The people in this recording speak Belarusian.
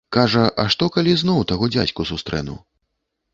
Кажа, а што, калі зноў таго дзядзьку сустрэну?